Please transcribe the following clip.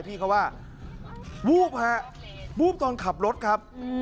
พี่เขาว่าวูบฮะวูบตอนขับรถครับ